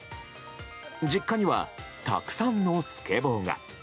実家にはたくさんのスケボーが。